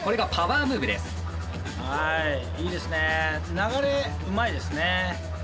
流れうまいですね。